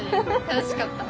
楽しかった。